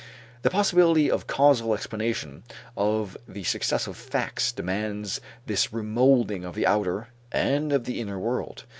The possibility of causal explanation of the successive facts demands this remolding of the outer and of the inner world.